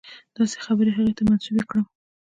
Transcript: داسې خبرې هغه ته منسوبې کړم.